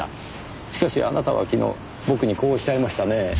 しかしあなたは昨日僕にこうおっしゃいましたね。